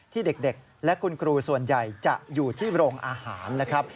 ที่เด็กและคุณครูส่วนใหญ่จะอยู่ที่โรงอาหารนะครับ